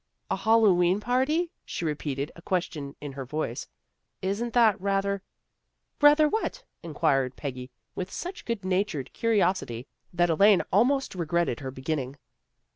" A Hal lowe'en party," she repeated, a question in her voice. " Isn't that rather " Rather what? " inquired Peggy with such good natured curiosity that Elaine almost re gretted her beginning.